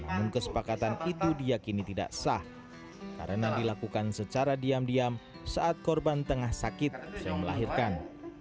namun kesepakatan itu diakini tidak sah karena dilakukan secara diam diam saat korban tengah sakit yang melahirkan